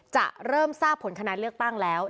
จะเริ่มทราบผลคะแนนเลือกตั้งแล้ว